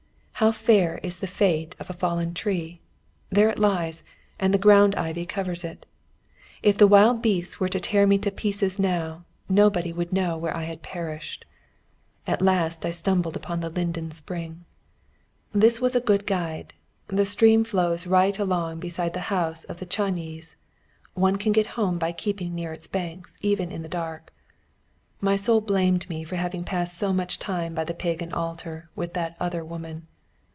How fair is the fate of a fallen tree. There it lies, and the ground ivy covers it. If the wild beasts were to tear me to pieces now, nobody would know where I had perished. At last I stumbled upon the linden spring. This was a good guide. The stream flows right along beside the house of the Csányis; one can get home by keeping near its banks, even in the dark. My soul blamed me for having passed so much time by the Pagan Altar with that "other" woman.